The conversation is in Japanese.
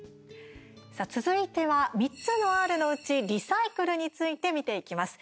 さあ、続いては３つのＲのうちリサイクルについて見ていきます。